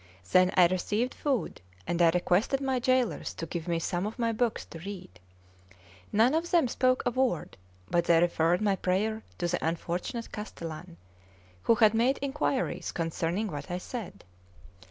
Then I received food, and I requested my jailers to give me some of my books to read. None of them spoke a word, but they referred my prayer to the unfortunate castellan, who had made inquiries concerning what I said.